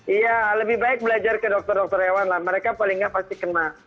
iya lebih baik belajar ke dokter dokter hewan lah mereka paling nggak pasti kena